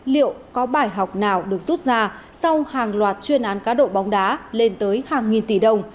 liệu có bài học nào được rút ra sau hàng loạt chuyên án cá độ bóng đá lên tới hàng nghìn tỷ đồng